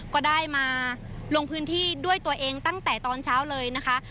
ก็ได้มาลงพื้นที่ด้วยตัวเองตั้งแต่ตอนเช้าเลยนะคะ